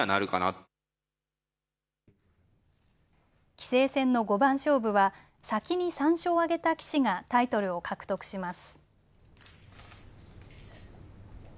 棋聖戦の五番勝負は先に３勝を挙げた棋士がタイトルを獲得します。